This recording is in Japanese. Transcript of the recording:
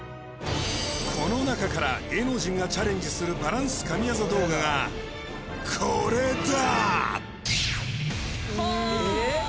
この中から芸能人がチャレンジするバランス神業動画がこれだ